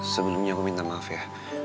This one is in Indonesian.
sebelumnya aku minta maaf ya